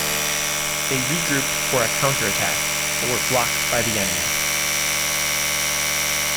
They regrouped for a counterattack, but were blocked by the enemy.